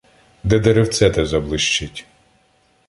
Де деревце те заблищить.